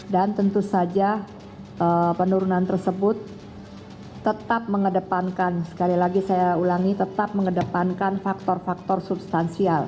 dan tentu saja penurunan tersebut tetap mengedepankan faktor faktor substansial